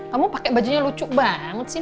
kamu pakai bajunya lucu banget sih